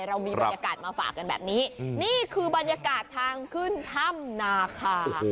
เรามีบรรยากาศมาฝากกันแบบนี้นี่คือบรรยากาศทางขึ้นถ้ำนาคา